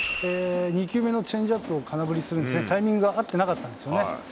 ２球目のチェンジアップを空振りするんですね、タイミングは合ってなかったんですよね。